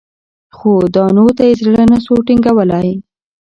خو دانو ته یې زړه نه سو ټینګولای